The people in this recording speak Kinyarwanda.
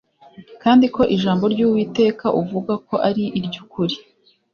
kandi ko ijambo ry’Uwiteka uvuga ko ari iry’ukuri